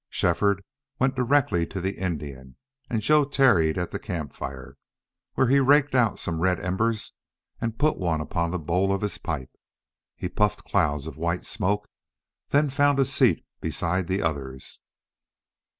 Shefford went directly to the Indian, and Joe tarried at the camp fire, where he raked out some red embers and put one upon the bowl of his pipe. He puffed clouds of white smoke, then found a seat beside the others.